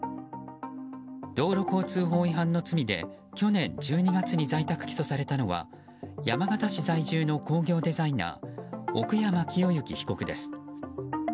道路交通法違反の疑いで去年の１２月に在宅起訴されたのは山形市在住の工業デザイナー奥山清行被告です。